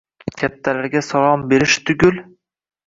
Kattalarga salom berish tugul.